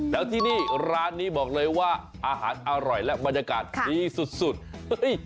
แล้วที่นี่ร้านนี้บอกเลยว่าอาหารอร่อยใจและบริษฐ์ดีแบบของสุดนี้